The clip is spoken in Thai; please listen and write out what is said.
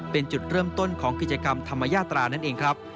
เป็นจุดเริ่มต้นของกิจกรรมธรรมญาตรานั่นเองครับ